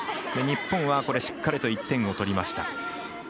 日本はしっかりと１点を取りました。